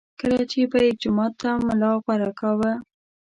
کله چې به یې جومات ته ملا غوره کاوه.